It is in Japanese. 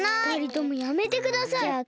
ふたりともやめてください。